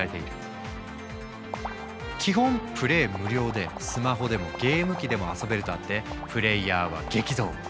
無料でスマホでもゲーム機でも遊べるとあってプレイヤーは激増。